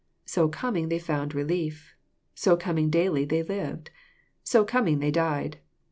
So coming they found relief. So coming daily they lived. So coming they died.